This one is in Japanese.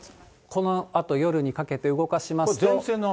このあと夜にかけて動かしますと。